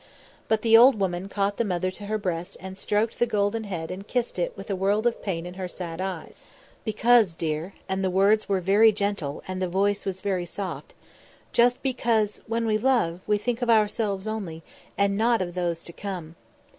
But the old woman caught the mother to her breast and stroked the golden head and kissed it with a world of pain in her sad old eyes. "Because, dear," and the words were very gentle and the voice was very soft, "just because, when we love, we think of ourselves only, and not of those to come."